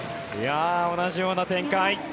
同じような展開。